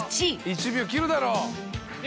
１秒切るだろ。